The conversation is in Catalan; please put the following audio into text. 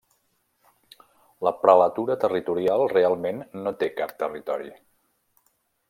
La prelatura territorial realment no té cap territori.